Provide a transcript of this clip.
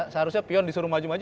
seharusnya pion disuruh maju maju